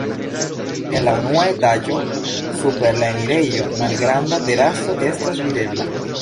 En la unua etaĝo super la enirejo malgranda teraso estas videbla.